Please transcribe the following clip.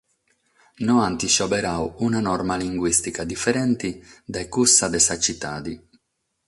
No ant seberadu una norma linguìstica diferente dae cussa de sa tzitade.